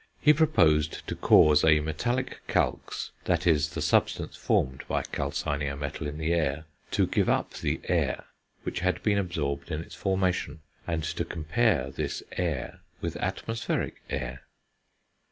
He proposed to cause a metallic calx (that is, the substance formed by calcining a metal in the air) to give up the "air" which had been absorbed in its formation, and to compare this "air" with atmospheric air.